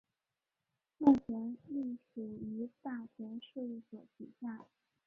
目前隶属于大泽事务所旗下。